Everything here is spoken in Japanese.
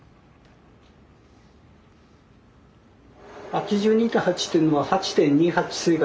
８２．８っていうのは「８．２８水害」